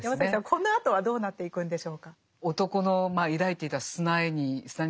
このあとはどうなっていくんでしょうか？